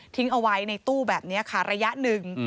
เอาไว้ในตู้แบบนี้ค่ะระยะหนึ่ง